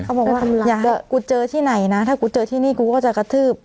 บอกว่าอย่ากูเจอที่ไหนนะถ้ากูเจอที่นี่กูก็จะกระทืบ